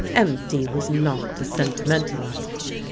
MD was not a sentimentalist.